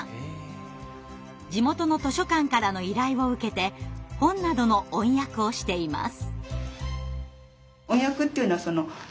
地元の図書館からの依頼を受けて本などの音訳をしています。